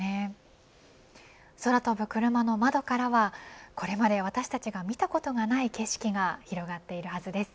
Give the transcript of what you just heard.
空飛ぶクルマの窓からはこれまで私たちが見たことがない景色が広がっているはずです。